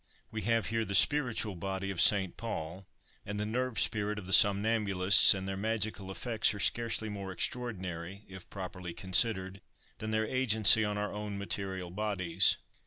We have here the "spiritual body" of St. Paul, and the "nerve spirit" of the somnambulists, and their magical effects are scarcely more extraordinary, if properly considered, than their agency on our own material bodies.